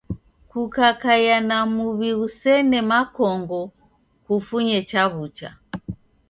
Kukakaia na muw'i ghusene makongo kufunye chaw'ucha.